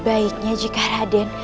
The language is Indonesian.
mari yang tadi